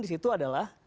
di situ adalah